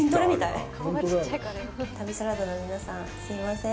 旅サラダの皆さん、すいません。